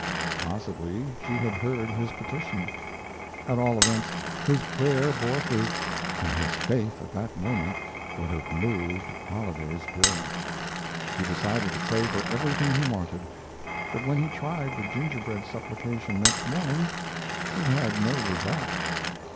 Possibly she had heard his petition; at all events his prayer bore fruit and his faith at that moment would have moved Holliday's Hill. He decided to pray for everything he wanted, but when he tried the gingerbread supplication next morning it had no result.